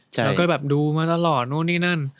เราก็ดูมาตลอดนู่นนี่นั่น